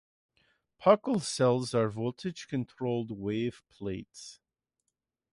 Pockels cells are voltage-controlled wave plates.